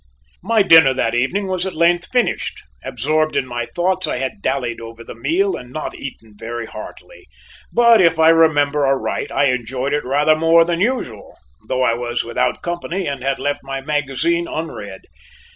My dinner that evening was at length finished; absorbed in my thoughts, I had dallied over the meal and not eaten very heartily; but, if I remember aright, I enjoyed it rather more than usual, though I was without company, and had left my magazine unread.